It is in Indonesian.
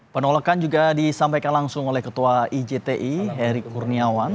penolakan juga disampaikan langsung oleh ketua ijti erick kurniawan